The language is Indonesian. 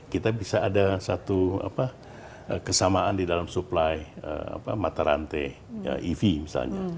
kita bisa ada satu kesamaan di dalam supply mata rantai ev misalnya